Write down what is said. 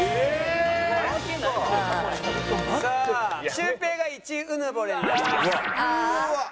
シュウペイが１うぬぼれになります。